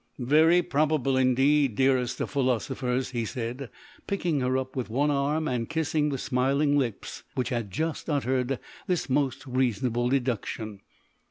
"Very probable indeed, dearest of philosophers," he said, picking her up with one arm and kissing the smiling lips which had just uttered this most reasonable deduction.